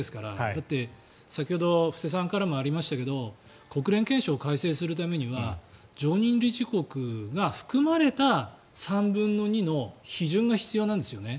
だって、先ほど布施さんからもありましたが国連憲章を改正するためには常任理事国が含まれた３分の２の批准が必要なんですよね。